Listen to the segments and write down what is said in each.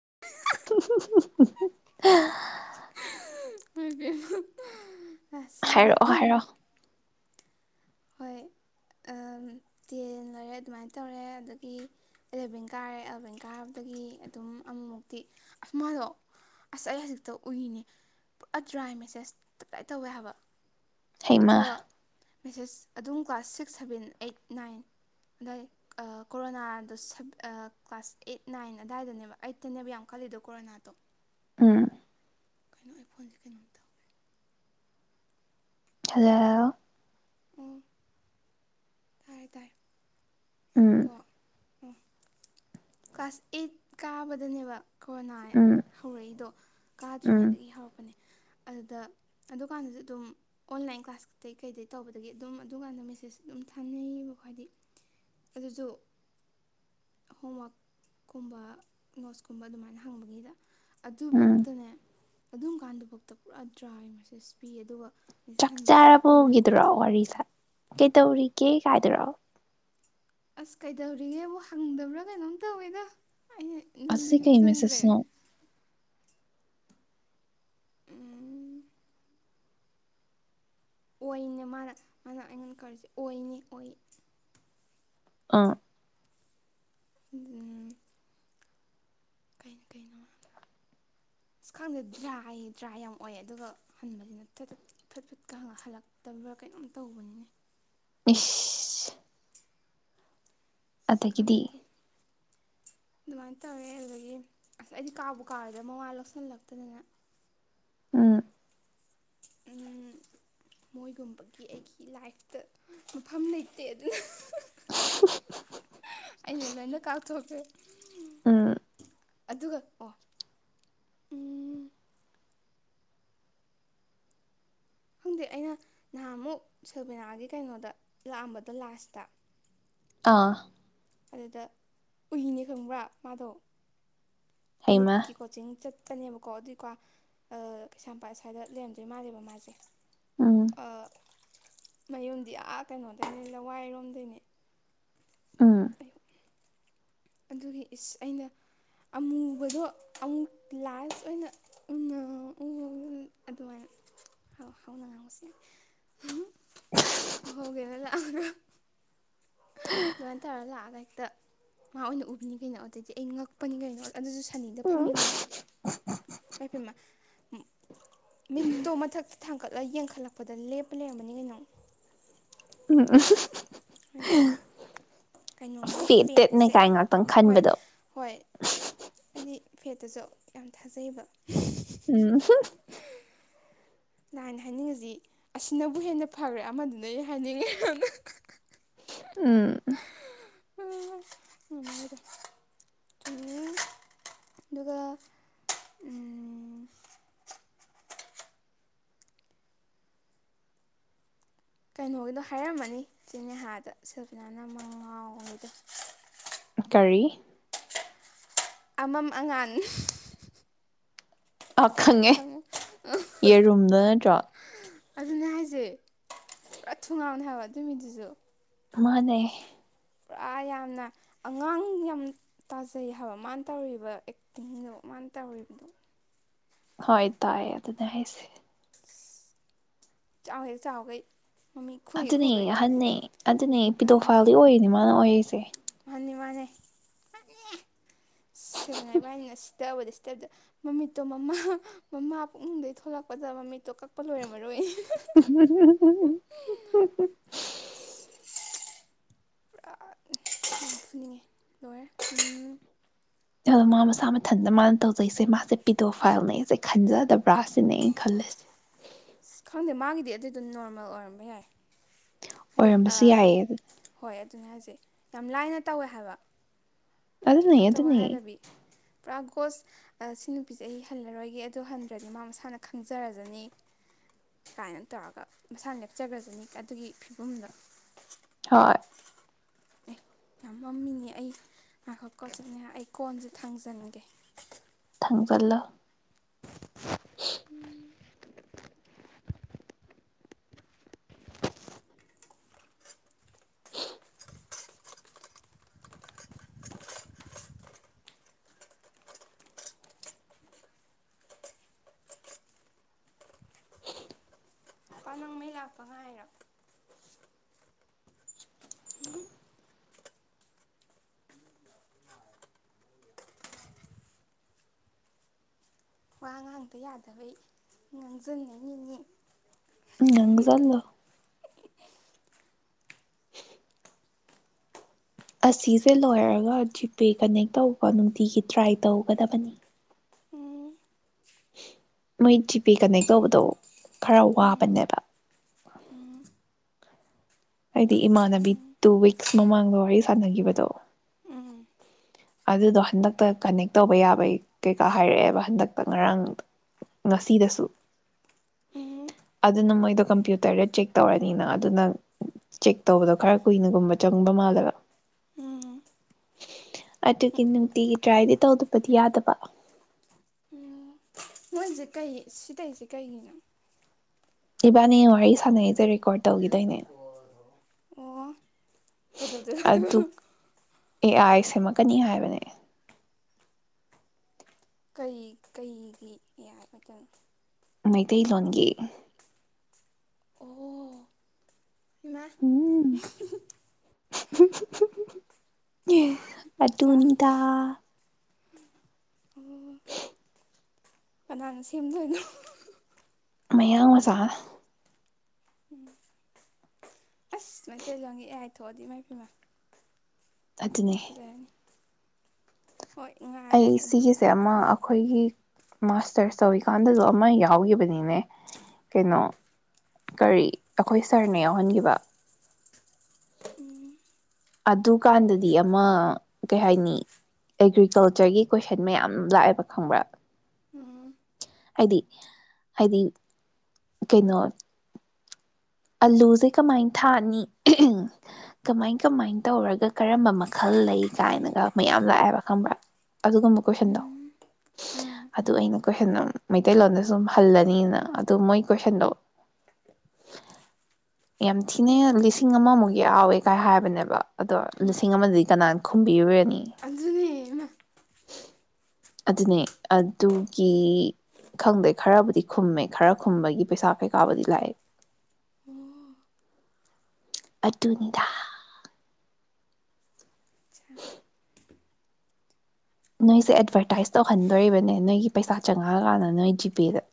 [unintelligible] [unintelligible] [unintelligible] ꯑ ꯁꯤꯔꯦꯗ ꯍꯥꯏꯔꯛꯑꯣ ꯍꯥꯏꯔꯛꯑꯣ ꯍꯣꯏ ꯑꯝ ꯇꯦꯟ ꯂꯣꯏꯔꯦ ꯑꯗꯨꯃꯥꯏꯅ ꯇꯧꯔꯦ ꯑꯗꯒꯤ ꯑꯦꯂꯦꯚꯦꯟ ꯀꯥꯔꯦ ꯑꯦꯂꯚꯦꯟ ꯀꯥꯕꯗꯒꯤ ꯑꯗꯨꯝ ꯑꯃꯃꯨꯛꯇꯤ ꯑꯁ ꯃꯥꯗꯣ ꯑꯁ ꯑꯩ ꯍꯧꯖꯤꯛꯇ ꯎꯏꯅꯦ ꯄꯨꯔꯥ ꯗ꯭ꯔꯥꯏ ꯃꯦꯁꯦꯁ ꯇꯞꯇꯥꯏ ꯇꯧꯋꯦ ꯍꯥꯏꯕ꯫ ꯍꯩꯃꯥ ꯑꯗꯨꯒ ꯃꯦꯁꯦꯁ ꯑꯗꯨꯝ class six seven eight nine ꯑꯗꯥꯏ ꯀꯣꯔꯣꯅꯥꯗ ꯁꯕ ꯑ ꯀ꯭ꯂꯥꯁ ꯑꯦꯠ ꯅꯥꯏꯟ ꯑꯗꯥꯏꯗꯅꯦꯕ ꯑꯩꯠꯇꯅꯦꯕ ꯌꯥꯝ ꯀꯜꯂꯤꯗꯣ ꯀꯣꯔꯣꯅꯥꯗꯣ꯫ ꯎꯝ ꯀꯩꯅꯣ ꯑꯩ ꯐꯣꯟ ꯀꯩꯅꫭꯝ ꯇꯧꯒ꯭ꯔꯦ꯫ ꯍꯜꯂꫭ ꯎꯝ ꯎꯝ ꯑꯦ ꯀ꯭ꯂꯥꯁ ꯑꯩꯠ ꯀꯥꯕꯗꯅꯦꯕ ꯀꯣꯔꫭꯅꯥ ꯎꯝ ꯍꯧꯔꯛꯏꯗꯣ꯫ ꯎꯝ ꯀꯥꯗ꯭ꯔꯤꯉꯩꯗꯒꯤ ꯍꯧꯔꯛꯄꯅꯦ꯫ ꯑꯗꯨꯗ ꯑꯗꯨꯀꯥꯟꯗꯁꯨ ꯑꯗꯨꯝ ꯑꯣꯟꯂꯥꯏꯟ ꯀ꯭ꯂꯥꯁ ꯀꯩꯗꯩ ꯇꯧꯕꯗꯒꯤ ꯑꯗꯨꯝ ꯑꯗꯨꯀꯥꯟꯗ ꯃꯦꯁꯦꯁ ꯑꯗꯨꯝ ꯊꯥꯅꯩꯌꯦꯕꯀꯣ ꯍꯥꯏꯗꯤ ꯑꯗꯨꯁꯨ ꯍꯣꯝꯋꯥꯛꯀꯨꯝꯕ ꯅꯣꯠꯁꯀꯨꯝꯕ ꯑꯗꯨꯃꯥꯏꯅ ꯍꯪꯕꯒꯤꯗ꯫ ꯎꯝ ꯑꯗꯨꯐꯧꯗꯅꯦ ꯑꯗꯨꯝ ꯀꯥꯟꯗꯨꯐꯥꯎꯗ ꯄꯨꯔꯥ ꯗ꯭ꯔꯥꯏ ꯃꯦꯁꯦꯁ ꯄꯤꯌꯦ ꯑꯗꯨꯒ ꯃꯦꯁꯦꯁ ꯆꯥꯛ ꯍꯟꯕꯁꯤꯅ ꯀꯨꯏꯅ ꯆꯥꯔꯕꫭꯒꯤꯗꯨꯔꯣ ꯀꯨꯏꯅ ꯋꯥꯔꯤ ꯀꯤꯠ ꯇꯧꯔꯤꯒꯦ ꯀꯥꯏꯗ꯭ꯔꯣ ꯑꯁ ꯀꯩꯗꯧꯔꯤꯒꯦꯕꯨ ꯍꯪꯗꯕ꯭ꯔꯥ ꯀꯩꯅꯣꯝ ꯇꯧꯋꯦꯗ꯫ ꯑꯩꯅ ꯅꯤꯡꯗꯤ ꯑꯁꯤ ꯀꯩ ꯅꯤꯡꯁꯤꯡꯗ꯭ꯔꯦ ꯃꯦꯁꯦꯖꯅꫭ꯫ ꯎꯝ ꯑꯣꯏꯅꯦ ꯃꯥꯅ ꯃꯥꯅ ꯑꯩꯉꯣꯟ ꯀꯧꯔꯤꯁꯦ ꯑꯣꯏꯅꯤ ꯑꯣꯏ꯫ ꯑꯥ ꯝꯝ ꯀꯩꯅꯣ-ꯀꯩꯅꯣ ꯑꯁ ꯈꯪꯡꯗꯦ ꯗ꯭ꯔꯥꯏ ꯗ꯭ꯔꯥꯏ ꯌꯥꯝ ꯑꯣꯏ ꯑꯗꯨꯒ ꯍꯟꯕꯁꯤꯅ ꯊꯠꯊꯠ ꯐꯠ ꯐꯠꯀ ꯍꯪꯑ ꯍꯜꯂꯛꯇꯕ꯭ꯔꯥ ꯀꯩꯅꯣꯝ ꯇꯧꯕꯅꯤꯅꯦ꯫ ꯏꯁ ꯑꯁ ꯈꯪꯗꯦ ꯑꯗꯒꯤꯗꯤ ꯈꯪꯗꯦ ꯑꯗꯨꯃꯥꯏꯅ ꯇꯧꯋꯦ ꯑꯗꯨꯗꯒꯤ ꯑꯁ ꯑꯩꯗꯤ ꯀꯥꯎꯕꯨ ꯀꯥꯎꯔꯦꯗ ꯃꯃꯥ ꯂꫭꯁꯜꯂꯛꯇꯗꯅꯦ꯫ ꯎꯝ ꯝꯝ ꯃꯣꯏꯒꯨꯝꯕꯒꯤ ꯑꯩꯒꯤ ꯂꯥꯏꯐꯇ ꯃꯐꯝ ꯂꯩꯇꯦ ꯑꯗꯨꯅ ꯑꯩꯅ ꯂꯣꯏꯅ ꯀꯥꯎꯊꯣꯛꯈ꯭ꯔꯦ ꯎꯝ ꯑꯗꯨꯒ ꯑꯣ ꯝꯝ ꯈꯪꯗꯦ ꯑꯩꯅ ꯅꯍꯥꯟꯃꯨꯛ ꯁꯜꯕꯤꯦꯅꯥꯒꯤ ꯀꯩꯅꯣꯗ ꯂꯥꯛꯑꯝꯕꯗꯣ ꯂꯥꯁꯇ ꯑꯥ ꯑꯗꯨꯗ ꯎꯏꯅꯦ ꯈꯪꯕ꯭ꯔꯥ ꯃꯥꯗꯣ꯫ ꯍꯩꯃ ꯅꯤꯠꯀꯤ ꯀꯣꯆꯤꯡ ꯆꯠ ꯇꯅꯦꯕꯀꯣ ꯑꯗꯨꯏꯀꯣ ꯑꯑ ꯀꯩꯁꯥꯝꯄꯥꯠ ꯑꯁ꯭ꯋꯥꯏꯗ ꯂꯩꯔꯝꯗꯣꯏ ꯃꯥꯜꯂꯦꯕ ꯃꯥꯁꯦ ꯍꯨꯝ ꯃꯌꯨꯝꯗꯤ ꯑꯥ ꯀꯩꯅꯣꯗꯩꯅꯦ ꯂꯋꯥꯏꯔꯣꯝꯗꯩꯅꯦ ꯎꯝ ꯑꯌꯨ ꯑꯗꯨꯒꯤ ꯏꯁ ꯑꯩꯅ ꯑꯃꯨꯕꯗꯣ ꯑꯃꯨꯛ ꯂꯥꯁ ꯑꯣꯏꯅ ꯎꯟꯅꯍꯧ ꯎꯎ ꯑꯗꯨꯃꯥꯏꯅ ꯍꯧ ꯍꯧꯅ ꯉꯥꯡꯕꯁꯤ ꯎꯍꯧꯒꯦꯅ ꯂꯥꯛꯑꯒ ꯍꯍ ꯑꯗꯨꯃꯥꯏ ꯇꯧꯔꯥ ꯂꯥꯛꯑꯒ ꯑꯩ ꯍꯦꯛꯇ ꯃꯥ ꯑꯣꯏꯅ ꯎꯕꯤꯅꯤ ꯀꯩꯅꯣ ꯑꯗꯩꯗꯤ ꯑꯩ ꯉꯛꯄꯅꯤ ꯀꯩꯅꯣ ꯑꯗꯨꯁꯨ ꯁꯟꯅꯤꯗ ꯎꯝ ꯐꯝꯃꯤꯉꯩꯗ ꯏꯃꯥꯏ ꯄꯦꯃꯥ ꯃꯤꯠꯇꯣ ꯃꯊꯛ ꯊꯥꯡꯀꯠꯂ ꯌꯦꯡꯈꯠꯂꯛꯄꯗ ꯂꯦꯞꯄ ꯂꯩꯔꯝꯕꯅꯤ ꯀꯩꯅꯣ ꯎꯝ ꯑꯑ ꯍ-ꯍ- ꯂꯧꯁꯤꯟꯕ ꯉꯝꯗꯕ ꯀꯩꯅꯣꯝꯅꯦ ꯐꯦꯠꯇꯦꯠꯅꯦ ꯐꯦꯠꯁꯦ ꯀꯥꯏ ꯉꯥꯛꯇꯪ ꯍꯣꯏ ꯈꯟꯕꯗꯣ ꯍꯣꯏ ꯍꯥꯏꯗꯤ ꯐꯦꯠꯇꯁꯨ ꯌꯥꯝ ꯊꯥꯖꯩꯑꯕ ꯎꯝ ꯍꯨꯡ-ꯍꯨꯡ- ꯂꯥꯏꯅ ꯍꯥꯏꯅꯤꯡꯉꯤꯁꯤ ꯑꯁꯤꯅꯕꯨ ꯍꯦꯟꯅ ꯐꯈ꯭ꯔꯦ ꯑꯃꯗꯨꯅ ꯍꯥꯏꯅꯤꯡꯉꯦ ꯍꯥꯟꯅ ꯍ-ꯍ- ꯎꯝ ꯂꯧꯁꯤꯟꯕ ꯉꯝꯗꯕ ꯑꯗꯨꯒ ꯎꯝ ꯀꯩꯅꯣꯒꯤꯗꯣ ꯍꯥꯏꯔꯝꯃꯅꯤ ꯆꯦꯅꯦꯍꯥꯗ ꯁꯦꯜꯐꯤꯅꯥꯅ ꯃꯥ ꯉꯥꯎꯕꯗꯣ ꯀꯔꯤ ꯑꯃꯝ ꯑꯉꯥꯟ ꯑ ꯈꯪꯉꯦ ꯈꯪꯉꯨ ꯌꯦꯔꯨꯝꯗꯣ ꯅꯠꯇ꯭ꯔꯣ ꯑꯗꯨꯅꯦ ꯍꯥꯏꯖꯦ ꯄꯨꯔꯥ ꯊꯨꯉꯥꯎꯅꯦ ꯍꯥꯏꯕ ꯑꯗꯨ ꯃꯤꯗꯨꯖꯨ ꯃꯥꯅꯦ ꯄꯨꯔꯥ ꯌꯥꯝꯅ ꯑꯉꯥꯡ ꯌꯥꯝ ꯇꯥꯖꯩ ꯍꯥꯏꯕ ꯃꯥꯅ ꯇꯧꯔꯤꯕ ꯑꯦꯛꯇꯤꯡꯗꯣ ꯃꯥꯅ ꯇꯧꯔꯤꯕꯗꯣ ꯍꯣꯏ ꯇꯥꯏꯌꯦ ꯑꯗꯨꯅꯦ ꯍꯥꯏꯁꯦ ꯏꯆꯥꯎꯍꯦꯛ ꯆꯥꯎꯒꯩ ꯑꯗꯨꯅꯦ ꯑꯍꯟꯅꯦ ꯑꯗꯨꯅꯦ ꯑꯗꯨꯅ ꯄꯤꯗꯣꯐꯥꯜꯗꯤ ꯍꯧꯖꯤꯛ ꯑꯣꯏꯔꯤꯅꯦ ꯃꯥꯅ ꯑꯣꯏꯔꯤꯁꯦ ꯃꯥꯅꯤ ꯃꯥꯅꯤ ꯃꯥꯅꯦ ꯁꯦꯜꯐꯤꯅꯥ ꯏꯕꯥꯅꯤꯅ ꯁꯤꯗꯕꯗ ꯁꯤꯗꯕꯗ ꯃꯃꯤꯠꯇꯣ ꯃꯃꯥ ꯃꯃꯥ ꯄꯨꯛꯅꯤꯡꯗꯩ ꯊꯣꯛꯂꯛꯄꯗ ꯃꯃꯤꯠꯇꯣ ꯀꯛꯄ ꯂꯣꯏꯔꯝ ꯎ ꯍꯨꯡ-ꯍꯨꯡ ꯂꯧꯁꯤꯟꯕ ꯉꯝꯗꯕ ꯂꯣꯏꯔꯦ ꯑꯗꯣ ꯃꯥ ꯃꯁꯥ ꯃꯊꯟꯇ ꯃꯥꯅ ꯇꯧꯖꯩꯁꯦ ꯃꯥꯁꯦ ꯄꯤꯗꯣ ꯐꯥꯏꯜꯅꯦ ꯁꯦ ꯈꯟꯖꯗꯕ꯭ꯔꯥ ꯁꯤꯅꯦ ꯑꯩꯅ ꯈꯜꯂꯤꯁꯦ ꯑꯁ ꯈꯪꯗꯦ ꯃꯥꯒꯤꯗꯤ ꯑꯗꯨꯗꯣ ꯅꯣꯔꯃꯦꯜ ꯑꯣꯏꯔꯝꯕ ꯌꯥꯏ ꯍꯥꯏꯗꯤ ꯑꯣꯏꯔꯝꯕꯁꯨ ꯑꯑ ꯌꯥꯏꯌꯦ ꯍꯣꯏ ꯑꯗꯨꯅꯤ ꯍꯥꯏꯖꯦ ꯁꯦ ꯌꯥꯝ ꯂꯥꯏꯅ ꯇꯧꯋꯦ ꯍꯥꯏꯕ ꯑꯗꯨꯅ ꯑꯗꯨꯅꯦ ꯀꯔꯤꯝꯇꯕꯧ ꯑꯗꯨꯅꯦ ꯍꯥꯏꯗꯕꯤ ꯄꯨꯔꯥ ꯒꯣꯁ ꯁꯤ ꯅꯨꯄꯤꯁꯦ ꯑꯩ ꯍꯜꯂꯔꯣꯏꯒꯦ ꯑꯗꯨꯗ ꯍꯟꯗ꯭ꯔꯗꯤ ꯃꯥ ꯃꯁꯥꯅ ꯈꯪꯖꯔꯖꯅꯤ ꯀꯃꯥꯏꯅ ꯇꯧꯔꯒ ꯃꯁꯥꯅ ꯂꯦꯞꯆꯈ꯭ꯔꯖꯅꯤ ꯑꯗꯨꯒꯤ ꯑꯍꯨꯝꯂꯛ ꯍꯣꯏ ꯑꯦ ꯌꯥꯝ ꯉꯝꯃꯤꯅꯦ ꯑꯩ ꯉꯥꯏꯈꯣꯀ ꯆꯦ ꯅꯦꯍꯥ ꯑꯩ ꯀꯣꯟꯁꯦ ꯊꯥꯡꯖꯟꯒꯦ ꯊꯥꯡꯖꯜꯂꯣ [inaudible] ꯑꯩ ꯂꯥꯛꯄ ꯉꯥꯏꯔꯤꯔꯣ ꯋꯥ ꯉꯥꯡꯗ ꯌꯥꯗꯕꯩ ꯉꯥꯡꯁꯤꯟꯉꯅꯤꯅꯦ ꯉꯥꯡꯖꯜꯂꯣ [inaudible] ꯑꯁꯤꯁꯦ ꯂꯣꯏꯔꯒ ꯖꯤꯄꯦ ꯀꯅꯦꯛ ꯇꯧꯕ ꯅꯨꯡꯇꯤꯒꯤ ꯇ꯭ꯔꯥꯏ ꯇꯧꯒꯗꯕꯅꯤ ꯎꯝ ꯃꯣꯏ ꯖꯤꯄꯦ ꯀꯅꯦꯛ ꯇꯧꯕꯗꯣ ꯈꯔ ꯎꯝ ꯋꯥꯕꯅꯦꯕ ꯑꯩꯗꯤ ꯏꯃꯥꯟꯅꯕꯤ ꯇꯨ ꯋꯤꯛꯁ ꯃꯃꯥꯡꯗ ꯋꯥꯔꯤ ꯁꯥꯟꯅꯒꯤꯕꯗꯣ ꯎꯝ ꯑꯗꯨꯗꯣ ꯍꯟꯗꯛꯇ ꯀꯅꯦꯛ ꯇꯧꯕ ꯌꯥꯕꯒꯤ ꯀꯩꯀꯥ ꯍꯥꯏꯔꯛꯑꯦꯕ ꯍꯟꯗꯛꯇ ꯉꯔꯥꯡ ꯉꯁꯤꯗꯁꯨ ꯎꯝ ꯑꯗꯨꯅ ꯃꯣꯏꯗꯣ ꯀꯝꯄ꯭ꯌꯨꯇꯔꯗ ꯆꯦꯛ ꯇꯧꯔꯅꯤꯅ ꯑꯗꯨꯅ ꯆꯦꯛ ꯇꯧꯕꯗꯣ ꯈꯔ ꯀꯨꯏꯅꯒꯨꯝꯕ ꯆꯪꯕ ꯃꯥꯜꯂꯦꯕ ꯎꯝ ꯑꯗꯨꯒꯤ ꯅꯨꯡꯇꯤꯒꯤ ꯇ꯭ꯔꯥꯏꯗꯤ ꯇꯧꯗꯕꯗꯤ ꯌꯥꯗꯕ ꯎꯝ ꯃꯣꯏꯁꯦ ꯀꯩ ꯁꯤ ꯇꯧꯔꯤꯁꯦ ꯀꯩꯒꯤꯅꯣ ꯏꯕꯥꯅꯤ ꯋꯥꯔꯤ ꯁꯥꯟꯅꯩꯁꯦ ꯔꯦꯀꯣꯔꯠ ꯂꯦꯝꯗꯣ ꯇꯧꯒꯤꯗꯣꯏꯅꯦ ꯄꯣꯔ ꯊꯧꯔꯛꯑꯣ ꯑꯣ ꯀꯩꯗꯧꯗꯣꯏꯕ ꯑꯗꯨꯒ ꯑꯗꯨ ꯑꯦ ꯑꯥꯏ ꯁꯦꯝꯃꯛꯀꯅꯤ ꯍꯥꯏꯕꯅꯦ ꯀꯩ ꯀꯩꯒꯤ ꯌꯥꯏꯕ ꯃꯇꯝ ꯃꯩꯇꯩꯂꯣꯟꯒꯤ ꯃ ꯑꯠꯆꯥ ꯑꯗꯨꯅꯤꯗꯥ ꯀꯅꯥ ꯁꯦꯝꯗꯣꯏꯅꯣ ꯃꯌꯥꯡ ꯃꯆꯥꯅ ꯁꯃꯥꯏ ꯇꯇꯩ ꯂꯪꯒꯤ ꯑꯦꯌꯥꯥꯏ ꯊꯣꯛꯑꯗꯤ ꯏꯃꯥꯏꯄꯦꯝꯃꯥ ꯑꯗꯨꯅꯦ ꯍꯣꯏ ꯑꯩ ꯉꯥꯏꯔꯒꯦ ꯑꯗꯨ ꯁꯤꯒꯤꯁꯦ ꯑꯃ ꯂꯥꯛꯄ ꯑꯈꯣꯏꯒꯤ ꯃꯥꯁꯇꯔꯁ ꯇꯧꯋꯤꯀꯥꯟꯗꯁꯨ ꯑꯃ ꯌꯥꯎꯒꯤꯕꯅꯤꯅꯦ ꯀꯩꯅꯣ ꯀꯔꯤ ꯑꯩꯈꯣꯏ ꯁꯥꯔꯅ ꯌꯥꯎꯍꯟꯈꯤꯕ ꯑꯗꯨꯀꯥꯟꯗꯗꯤ ꯑꯃ ꯀꯩ ꯍꯥꯏꯅꯤ ꯑꯦꯒ꯭ꯔꯤꯀꯜꯆꯔꯒꯤ ꯀꯣꯏꯁꯟ ꯃꯌꯥꯝ ꯂꯥꯛꯑꯦꯕ ꯈꯪꯕ꯭ꯔꯥ ꯎꯝ ꯍꯥꯏꯗꯤ ꯍꯥꯏꯗꯤ ꯀꯩꯅꯣ ꯑꯂꯨꯁꯦ ꯀꯃꯥꯏ ꯊꯥꯅꯤ ꯀꯃꯥꯏ ꯀꯃꯥꯏ ꯀꯃꯥꯏꯅ ꯇꯧꯔꯒ ꯀꯔꯝꯕ ꯃꯈꯜ ꯂꯩ ꯀꯥꯏꯅꯒ ꯃꯌꯥꯝ ꯂꯥꯛꯑꯦꯕ ꯈꯪꯕ꯭ꯔꯥ ꯑꯗꯨꯒꯨꯝꯕ ꯀꯣꯏꯁꯟꯗꯣ ꯎꯝ ꯑꯗꯨ ꯑꯩꯅ ꯀꯣꯏꯁꯟ ꯃꯩꯇꯩꯂꯣꯟꯗ ꯁꯨꯝ ꯍꯜꯂꯅꯤꯅ ꯑꯗꯨ ꯃꯣꯏ ꯀꯣꯏꯁꯟꯗꯣ ꯌꯥꯝ ꯊꯤꯅ ꯂꯤꯁꯤꯡ ꯑꯃꯃꯨꯛ ꯌꯥꯎꯋꯦ ꯀꯥꯏ ꯍꯥꯏꯕꯅꯦꯕ ꯑꯗꯣ ꯍꯩꯃꯥ ꯂꯤꯁꯤꯡ ꯑꯃꯗꯤ ꯀꯅꯥ ꯈꯨꯝꯕꯤꯔꯨꯔꯅꯤ ꯑꯗꯨꯅꯦ ꯍꯩꯃꯥ ꯑꯗꯨꯅꯦ ꯑꯗꯨꯒꯤ ꯈꯪꯗꯦ ꯈꯔꯕꯨꯗꯤ ꯈꯨꯝꯃꯦ ꯈꯔ ꯈꯨꯝꯕꯒꯤ ꯄꯩꯁꯥ ꯀꯩꯀꯥꯕꯨꯗꯤ ꯂꯥꯛꯑꯦ ꯑꯗꯨꯅꯤꯗ ꯑꯆꯥ ꯅꯣꯏꯁꯦ ꯑꯦꯠꯚꯔꯇꯥꯏꯁ ꯇꯧꯍꯟꯗꯣꯔꯤꯕꯅꯦ ꯅꯣꯏꯒꯤ ꯄꯩꯁꯥ ꯆꯪꯉꯛꯑꯀꯥꯟꯗ ꯅꯣꯏ ꯖꯤꯄꯦꯗ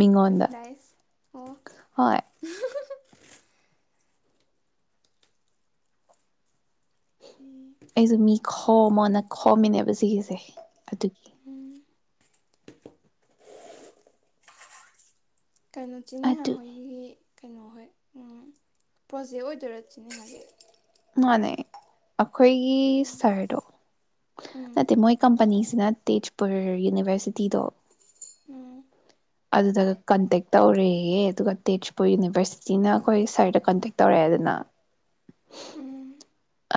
ꯃꯤꯉꯣꯟꯗ ꯑꯣ ꯍꯣꯏ ꯑꯩꯁꯨ ꯃꯤ ꯍꯣꯃꯣꯅ ꯈꯣꯝꯃꯤꯅꯦꯕ ꯁꯤꯒꯤꯖꯦ ꯑꯗꯨꯒꯤ ꯀꯩꯅꯣ ꯆꯦ ꯅꯦꯍꯥ ꯑꯗꯨ ꯈꯣꯏꯒꯤ ꯀꯩꯅꯣ ꯍꯣꯏ ꯎꯝ ꯄ꯭ꯔꯣꯖꯦꯛ ꯑꯣꯏꯗꯣꯏꯔꯣ ꯆꯦ ꯅꯦꯍꯥ ꯒꯤ ꯃꯥꯅꯦ ꯑꯩꯈꯣꯏꯒꯤ ꯎꯝ ꯁꯥꯔꯗꯣ ꯎꯝ ꯅꯠꯇꯦ ꯃꯣꯏ ꯀꯝꯄꯅꯤꯁꯤꯅ ꯇꯦꯖꯄꯨꯔ ꯌꯨꯅꯤꯚꯔꯁꯤꯇꯤꯗꯣ ꯎꯝ ꯑꯗꯨꯗ ꯀꯟꯇꯦꯛ ꯇꯧꯔꯦꯌꯦ ꯑꯗꯨꯒ ꯇꯦꯖꯄꯨꯔ ꯌꯨꯅꯤꯚꯔꯁꯤꯇꯤꯅ ꯑꯩꯈꯣꯏ ꯁꯔꯗ ꯀꯟꯇꯦꯛ ꯇꯧꯔꯛꯑꯦꯗꯅ ꯎꯝ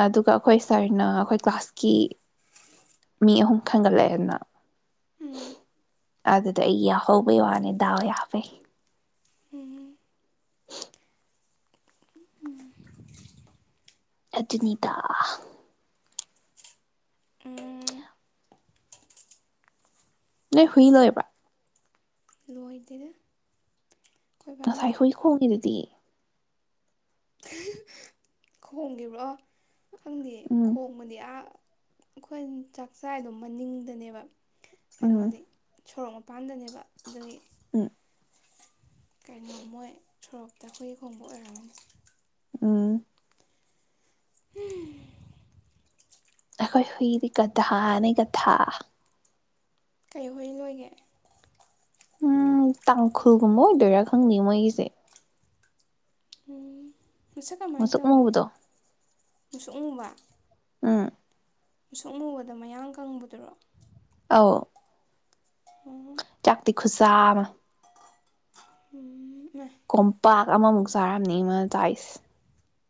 ꯑꯗꯨꯒ ꯑꯩꯈꯣꯏ ꯁꯥꯔꯅ ꯑꯩꯈꯣꯏ ꯀ꯭ꯂꯥꯁꯀꯤ ꯃꯤ ꯑꯍꯨꯝ ꯈꯟꯒꯠꯂꯛꯑꯦꯅ꯫ ꯎꯝ ꯑꯗꯨꯗ ꯑꯩ ꯌꯥꯍꯧꯕꯩ ꯋꯥꯅꯤ ꯗꯥꯎ ꯌꯥꯕꯩ ꯎꯝ ꯑꯗꯨꯅꯤꯗꯥ ꯎꯝ ꯅꯣꯏ ꯍꯨꯏ ꯂꯣꯏꯕꯔꯣ ꯂꯣꯏꯗꯦꯗ ꯑꯩꯈꯣꯏ ꯕꯥꯅ ꯉꯁꯥꯏ ꯍꯨꯏ ꯈꯣꯡꯉꯤꯗꯨꯗꯤ ꯈꯣꯡꯒꯤꯕ꯭ꯔꯣ ꯎꯝ ꯈꯣꯡꯃꯅꯤ ꯑꯥ ꯑꯩꯈꯣꯏ ꯆꯥꯛꯆꯥꯥꯏꯗꯣ ꯃꯅꯤꯡꯗꯅꯦꯕ ꯎꯝ ꯀꯩꯅꯣꯗꯤ ꯁꯣꯔꯣꯛ ꯃꯄꯥꯟꯗꯅꯦꯕ ꯑꯗꯨꯒꯤ ꯎꯝ ꯀꯩꯅꯣ ꯃꯣꯏ ꯁꯣꯔꯣꯛꯇ ꯍꯨꯏ ꯈꯣꯡꯕ ꯑꯣꯏꯔꯝꯒꯅꯤ ꯎꯝ ꯑꯩꯈꯣꯏ ꯍꯨꯏꯗꯤ ꯒꯙꯥꯅꯦ ꯒꯙꯥ ꯀꯩꯍꯨꯏ ꯂꯣꯏꯒꯦ ꯎꯝ ꯇꯥꯡꯈꯨꯜꯒꯨꯝꯕ ꯑꯣꯏꯗꯣꯏꯔꯥ ꯈꯪꯗꯦ ꯃꯣꯏꯒꯤꯁꯦ ꯎꯝ ꯃꯁꯛ ꯀꯃꯥꯏ ꯃꯨꯁꯨꯛ ꯇꯧꯏ ꯃꯨꯕꯗꯣ ꯃꯨꯁꯨꯛ ꯃꯨꯕꯔꯥ ꯎꯝ ꯃꯨꯁꯨꯛ ꯃꯨꯕꯗ ꯃꯌꯥꯡ ꯀꯪꯕꯗꯨꯔꯣ ꯑꯣ ꯑꯣ ꯆꯥꯛꯇꯤ ꯈꯨꯠꯆꯥ ꯑꯃ ꯎꯝ ꯏꯃꯥꯏ ꯀꯣꯝꯄꯥꯛ ꯑꯃꯃꯨꯛ ꯆꯥꯔꯝꯅꯤ ꯃꯥ ꯆꯥꯏꯁꯦ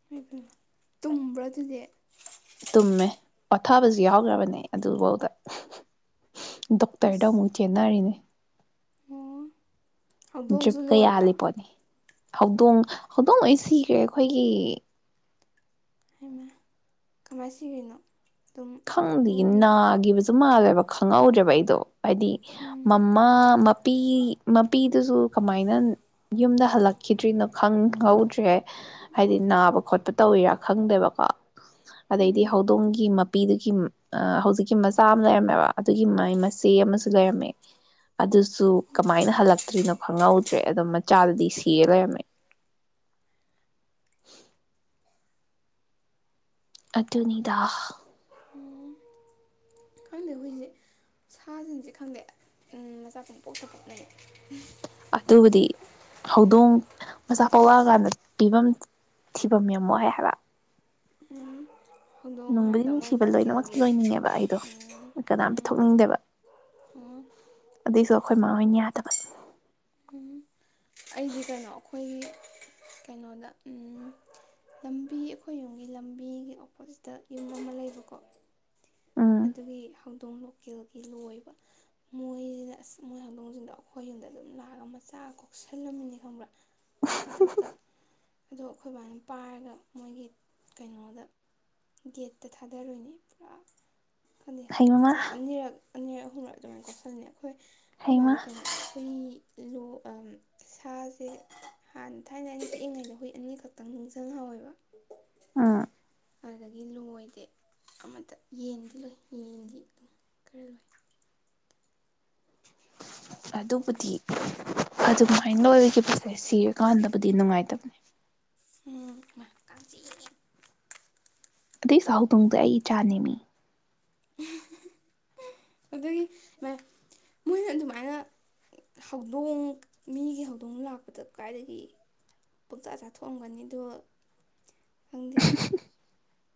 ꯏꯃꯥꯏꯄꯦꯃ ꯇꯨꯝꯕ꯭ꯔꯥ ꯑꯗꯨꯗꯤ ꯇꯨꯝꯃꯦ꯫ ꯄꯊꯥꯕꯖꯨ ꯌꯥꯎꯈ꯭ꯔꯕꯅꯦ ꯑꯗꯨꯐꯥꯎꯗ ꯗꯣꯛꯇꯔꯗ ꯑꯁ ꯑꯃꯨꯛ ꯆꯦꯟꯅꯔꯤꯅꯦ ꯑꯣ ꯗ꯭ꯔꯤꯞ ꯍꯧꯗꯣꯡꯁꯨ ꯀ ꯂꯣꯏꯕ꯭ꯔꯥ ꯌꯥꯂꯤꯄꯣꯅꯤ ꯍꯧꯗꯣꯡ ꯍꯧꯗꯣꯡ ꯂꯣꯏ ꯁꯤꯒꯔꯦ ꯑꯩꯈꯣꯏꯒꯤ ꯍꯥꯏꯃ ꯀꯃꯥꯏ ꯁꯤꯒꯔ꯭ꯤꯅꯣ ꯈꯪꯗꯤꯌꯦ ꯅꯥꯒꯤꯕꯖꯤ ꯃꯥꯜꯂꯦꯕ ꯈꯪꯍꯧꯗ꯭ꯔꯦꯕ ꯑꯩꯗꯣ꯫ ꯍꯥꯏꯗꯤ ꯎꯝ ꯃꯃꯥ ꯃꯄꯤ ꯃꯄꯤꯗꯨꯖꯨ ꯀꯃꯥꯏꯅ ꯌꯨꯝꯗ ꯍꯜꯂꯛꯈꯤꯗ꯭ꯔꯤꯅꯣ ꯈꯪꯍꯧꯗ꯭ꯔꯦ꯫ ꯍꯥꯏꯗꯤ ꯅꯥꯕ ꯈꯣꯠꯄ ꯇꯧꯋꯤꯔꯥ ꯈꯪꯗꯦꯕꯀꯣ꯫ ꯑꯗꯩꯗꯤ ꯍꯧꯗꯣꯡꯒꯤ ꯃꯞ ꯅꯨꯄꯤꯗꯨꯒꯤ ꯑ ꯍꯧꯖꯤꯛꯀꯤ ꯃꯆꯥ ꯑꯃ ꯂꯩꯔꯝꯃꯦꯕ ꯑꯗꯨꯒꯤ ꯃ ꯃꯆꯦ ꯑꯃꯖꯨ ꯂꯩꯔꯝꯃꯦ ꯑꯗꯨꯁꯨ ꯀꯃꯥꯏꯅ ꯍꯜꯂꯛꯇ꯭ꯔꯤꯅꯣ ꯈꯪꯍꯧꯗ꯭ꯔꯦ ꯑꯗꯣ ꯃꯆꯥꯗꯗꯤ ꯁꯤꯔ ꯂꯩꯔꯝꯃꯦ ꯑꯗꯨꯅꯤꯗꯥ ꯈꯪꯗꯦ ꯑꯩꯈꯣꯏꯁꯦ ꯁꯥꯁꯤꯡꯁꯦ ꯈꯪꯗꯦ ꯃꯆꯥ ꯀꯨꯝ ꯄꯣꯛꯇ ꯄꯣꯛꯅꯩ ꯑꯗꯨꯕꯨꯗꯤ ꯍꯧꯗꯣꯡ ꯃꯆꯥ ꯀꯋꯥꯔꯀꯥꯟꯗ ꯄꯤꯐꯝ ꯊꯤꯐꯝ ꯌꯥꯝ ꯋꯥꯏ ꯍꯥꯌꯕ ꯎꯝ ꯅꯨꯡꯕꯨꯗꯤ ꯅꯨꯡꯁꯤꯕ ꯂꯣꯏꯅꯃꯛꯇ ꯂꯣꯏꯅꯤꯡꯉꯦꯕ ꯑꯩꯗꯣ ꯀꯅꯥꯝ ꯄꯤꯊꯣꯛꯅꯤꯡꯗꯦꯕ ꯑꯗꯨꯏꯁꯨ ꯑꯩꯈꯣꯏ ꯃꯥꯥ ꯍꯣꯏꯅ ꯌꯥꯗꯕ ꯑꯩꯗꯤ ꯀꯩꯅꯣ ꯑꯩꯈꯣꯏꯒꯤ ꯀꯩꯅꯣꯗ ꯂꯝꯕꯤ ꯑꯩꯈꯣꯏ ꯌꯨꯝꯒꯤ ꯂꯝꯕꯤꯒꯤ ꯑꯣꯄꯣꯖꯤꯠꯇ ꯌꯨꯝ ꯑꯃ ꯂꯩꯕꯀꯣ ꯎꯝ ꯑꯗꯨꯒꯤ ꯍꯧ ꯍꯧꯗꯣꯡ ꯂꯣꯀꯦꯜꯒꯤ ꯂꯣꯏꯕ ꯃꯣꯏꯁꯤꯅ ꯑꯁ ꯃꯣꯏ ꯍꯧꯗꯣꯡꯁꯤꯡꯗꯣ ꯑꯩꯈꯣꯏ ꯌꯨꯝꯗ ꯑꯗꯨꯝ ꯂꯥꯛꯑꯒ ꯃꯆꯥ ꯀꯣꯛꯁꯜꯂꯝꯃꯤꯅꯤ ꯈꯪꯕ꯭ꯔꯥ ꯃꯊꯛꯇ ꯑꯗꯣ ꯑꯩꯈꯣꯏ ꯕꯥꯅ ꯄꯥꯔꯒ ꯃꯣꯏꯒꯤ ꯀꯩꯅꯣꯗ ꯒꯦꯠꯇ ꯊꯥꯗꯔꯨꯏꯅꯦ ꯄꯨꯔꯥ ꯐꯗꯤ ꯍꯩꯃꯥ ꯃꯆꯥ ꯑꯅꯤꯔꯛ ꯑꯅꯤꯔ ꯑꯍꯨꯝꯂꯛ ꯑꯗꯨꯃꯥꯏꯅ ꯀꯣꯛꯈꯜꯅꯦ ꯑꯩꯈꯣꯏ ꯑꯩꯈꯣꯏ ꯍꯩꯃꯥ ꯕꯥꯗꯤ ꯀꯩꯅꯣ ꯍꯨꯏ ꯁꯥꯁꯦ ꯍꯥꯟꯅ ꯊꯥꯏꯅ ꯑꯩꯅ ꯇꯛꯏꯉꯩꯗ ꯍꯨꯏ ꯑꯅꯤ ꯈꯛꯇꯪ ꯅꯤꯡꯁꯤꯡꯪꯍꯧꯋꯦꯕ ꯎꯝ ꯑꯗꯨꯗꯒꯤ ꯂꯣꯏꯗꯦ ꯑꯃꯠꯇ ꯌꯦꯟ ꯌꯦꯅꯗꯤ ꯈꯔ ꯂꯣꯏ ꯑꯗꯨꯕꯨꯗꯤ ꯑꯗꯨꯃꯥꯏꯅ ꯂꯣꯏꯈꯤꯕꯁꯦ ꯁꯤꯔꯀꯥꯟꯗꯕꯨꯗꯤ ꯅꯨꯡꯉꯥꯏꯇꯕꯅꯤ ꯎꯝ ꯑꯗꯩ ꯁꯥꯎꯗꯣꯡꯗꯣ ꯑꯩ ꯆꯥꯅꯤꯉꯤ ꯎꯝ ꯑꯗꯨꯒꯤ [unintelligible] ꯃꯣꯏꯅ ꯑꯗꯨꯃꯥꯏꯅ ꯍꯧꯗꯣꯡ ꯃꯤꯒꯤ ꯍꯧꯗꯣꯡ ꯂꯥꯛꯄꯗ ꯀꯗꯥꯏꯗꯒꯤ ꯄꯣꯛꯇꯥ ꯆꯥꯊꯣꯛꯑꯝꯒꯅꯤꯗꯣ ꯈꯪꯗꯦ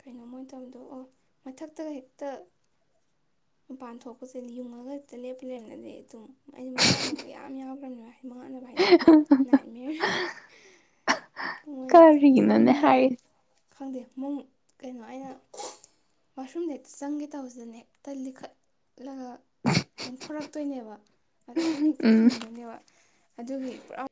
ꯀꯩꯅꯣ ꯃꯣꯏ ꯇꯧꯗꯣ ꯑꯣ ꯃꯊꯛꯇꯒ ꯍꯦꯛꯇ ꯃꯄꯥꯟ ꯊꯣꯛꯄꯁꯦ ꯌꯨꯡꯉꯒ ꯍꯦꯛꯇ ꯂꯦꯞꯄꯤ ꯂꯩꯦꯕꯅꯗꯤ ꯑꯗꯨꯝ ꯑꯩ ꯃꯉꯛꯅꯕꯒ ꯌꯥꯝ ꯌꯥꯎꯈ꯭ꯔꯕꯅꯤ ꯍꯥꯏ ꯃꯉꯥꯀꯅꯕ ꯍꯥꯏꯗꯤ ꯅꯥꯏ ꯃ [unintelligible] ꯀꯔꯤꯅꯣꯅꯦ ꯍꯥꯏꯔꯤ ꯃ ꯀꯩꯅꯣ ꯑꯩꯅ ꯋꯥꯁꯔꯨꯝꯗ ꯍꯦꯛꯇ ꯆꯪꯒꯦ ꯇꯧꯕꯁꯤꯗꯅꯦ ꯍꯦꯛꯇ ꯂꯤꯈꯠ ꯂꯒꯥ ꯇꯦꯟꯊꯣꯔꯛ ꯇꯣꯏꯅꯦꯕ ꯑꯗ ꯑꯩꯅ ꯍꯦꯛꯇ ꯎꯝ ꯈꯪꯕꯣꯏꯅꯦꯕ ꯑꯗꯨꯒꯤ ꯄꯨꯔꯥ